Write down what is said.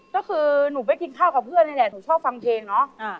ก็คือหนูไปกินข้าวกับเพื่อนนี่แหละหนูชอบฟังเพลงเนาะ